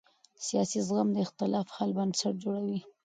سیاسي زغم د اختلاف حل بنسټ جوړوي